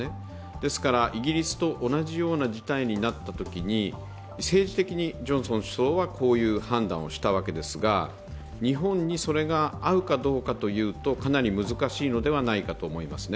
ですから、イギリスと同じような事態になったときに政治的にジョンソン首相はこういう判断をしたわけですが、日本にそれが合うかどうかというとかなり難しいのではないかと思いますね。